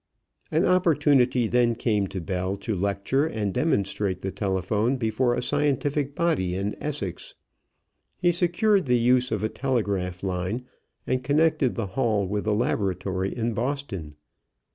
An opportunity then came to Bell to lecture and demonstrate the telephone before a scientific body in Essex. He secured the use of a telegraph line and connected the hall with the laboratory in Boston.